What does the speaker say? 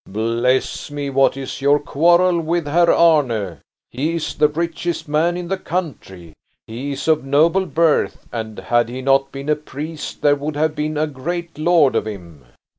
"Bless me, what is your quarrel with Herr Arne? He is the richest man in the country. He is of noble birth, and had he not been a priest there would have been a great lord of him."